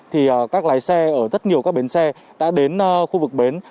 thì các lái xe ở rất nhiều các bến xe đã đến khu vực bến